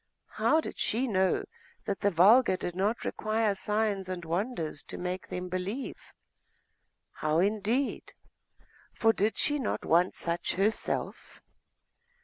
How did she know that the vulgar did not require signs and wonders to make them believe?.... How, indeed? for did she not want such herself?